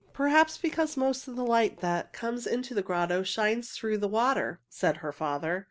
"Perhaps because most of the light that comes into the grotto shines through the water," said her father.